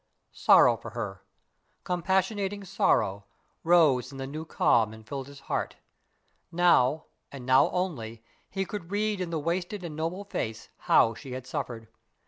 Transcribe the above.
Sorrow for her compassionating sorrow rose in the new calm and filled his heart. Now, and now only, he could read in the wasted and noble face how she had suffered.